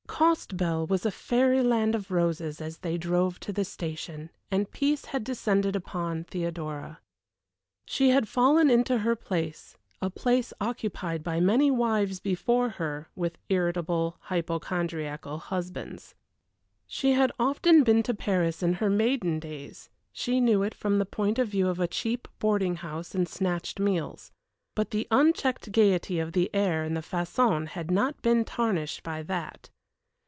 Costebelle was a fairyland of roses as they drove to the station, and peace had descended upon Theodora. She had fallen into her place, a place occupied by many wives before her with irritable, hypochondriacal husbands. She had often been to Paris in her maiden days; she knew it from the point of view of a cheap boarding house and snatched meals. But the unchecked gayety of the air and the façon had not been tarnished by that.